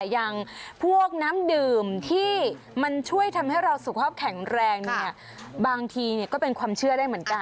อย่างพวกน้ำดื่มที่มันช่วยทำให้เราสุขภาพแข็งแรงบางทีก็เป็นความเชื่อได้เหมือนกัน